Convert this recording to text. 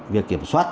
việc kiểm soát